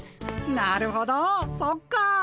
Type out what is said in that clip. なるほどそっか。